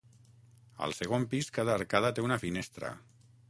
Al segon pis cada arcada té una finestra.